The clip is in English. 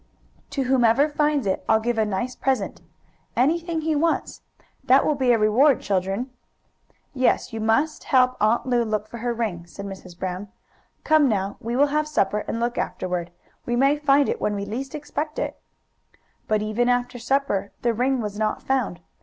To whomever finds it I'll give a nice present anything he wants. That will be a reward, children." "Yes, you must help Aunt Lu look for her ring," said Mrs. Brown. "Come now, we will have supper, and look afterward. We may find it when we least expect it." But even after supper, the ring was not found.